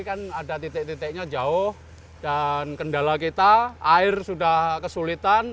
kan ada titik titiknya jauh dan kendala kita air sudah kesulitan